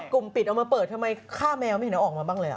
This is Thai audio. กลุ่มปิดเอามาเปิดทำไมค่าแมวไม่เห็นออกมาบ้างอะไรแหละ